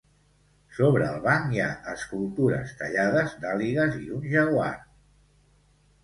Sobre el banc hi ha escultures tallades d'àligues i un jaguar.